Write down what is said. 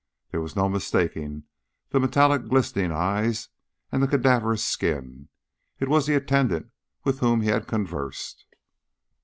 There was no mistaking the metallic glistening eyes and the cadaverous skin. It was the attendant with whom he had conversed.